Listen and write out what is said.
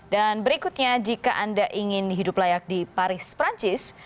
dan berikutnya jika anda ingin hidup layak di paris perancis